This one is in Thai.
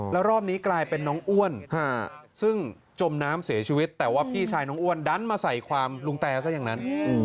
แล้วรอบนี้กลายเป็นน้องอ้วนซึ่งจมน้ำเสียชีวิตแต่ว่าพี่ชายน้องอ้วนดันมาใส่ความลุงแตซะอย่างนั้น